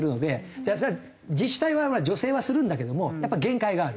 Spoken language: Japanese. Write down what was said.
自治体側は助成はするんだけどもやっぱり限界がある。